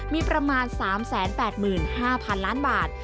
มีประมาณ๓๘๕๐๐๐ล้านบาท